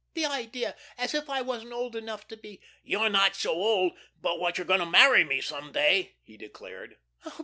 "The idea! As if I wasn't old enough to be " "You're not so old but what you're going to marry me some day," he declared.